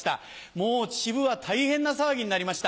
もう秩父は大変な騒ぎになりました。